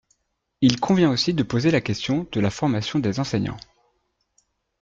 Il convient aussi de poser la question de la formation des enseignants.